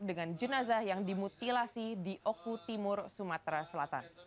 dengan jenazah yang dimutilasi di oku timur sumatera selatan